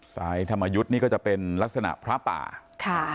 สายธรรมยุทธ์นี่ก็จะเป็นลักษณะพระป่าค่ะ